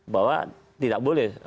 bahwa tidak boleh